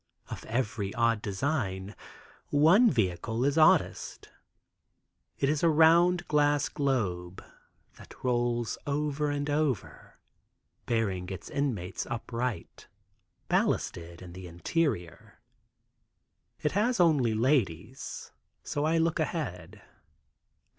Of every odd design, one vehicle is oddest. It is a round glass globe that rolls over and over, bearing its inmates upright, ballasted in the interior. It has only ladies, so I look ahead.